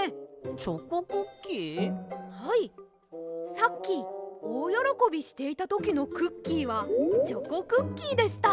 さっきおおよろこびしていたときのクッキーはチョコクッキーでした。